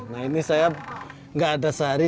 nah ini saya nggak ada sehari